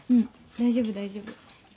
大丈夫大丈夫。